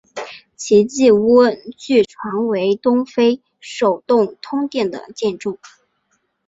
奇迹屋据传为东非首幢通电的建筑。